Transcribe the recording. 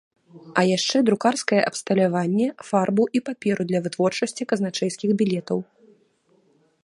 А яшчэ друкарскае абсталяванне, фарбу і паперу для вытворчасці казначэйскіх білетаў.